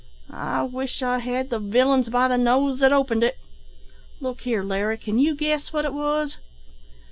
I wish I had the villains by the nose that opened it! Look here, Larry, can you guess what it was?"